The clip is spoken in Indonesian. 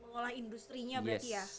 mengolah industri nya berarti ya